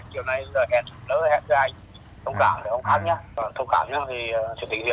chiều nay giờ hẹn lỡ hẹn ra anh thông cảm thì thông cảm nhé